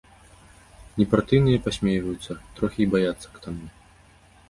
Непартыйныя пасмейваюцца, трохі й баяцца к таму.